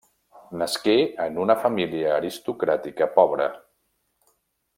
Nasqué en una família aristocràtica pobra.